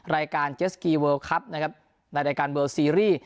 รายการเจสกีเวิร์ลคลับในรายการเวิร์ลซีรีส์